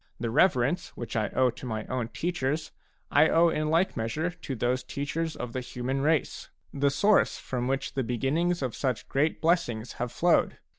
The reverence which I owe to my own teachers I owe in like measure to those teachers of the human race, the source from which the beginnings of such great blessings have flowed.